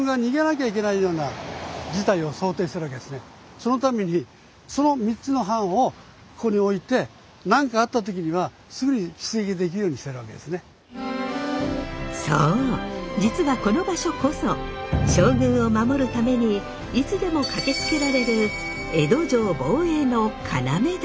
そのためにそのそう実はこの場所こそ将軍を守るためにいつでも駆けつけられる江戸城防衛の要だったのです。